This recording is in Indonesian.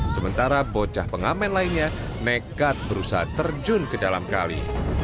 sementara bocah pengamen lainnya nekat berusaha terjun ke dalam kali